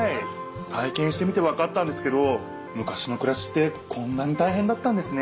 体けんしてみてわかったんですけどむかしのくらしってこんなにたいへんだったんですね。